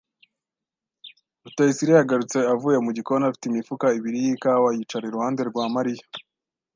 Rutayisire yagarutse avuye mu gikoni afite imifuka ibiri yikawa yicara iruhande rwa Mariya.